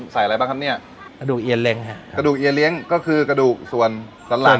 อะไรบ้างครับเนี้ยกระดูกเอียเล้งฮะกระดูกเอียเลี้ยงก็คือกระดูกส่วนสันหลัง